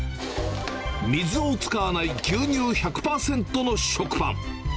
水を使わない牛乳１００％の食パン。